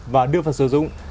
và đưa vào sử dụng